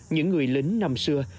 những người lính năm xưa